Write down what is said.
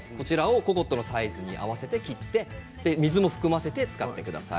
ココットのサイズに切って水を含ませて使ってください。